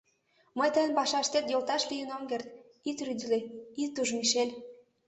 Но тыйын «пашаштет» йолташ лийын ом керт, ит рӱдылӧ, ит ӱж, Мишель.